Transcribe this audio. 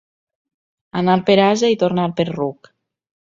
Anar per ase i tornar per ruc.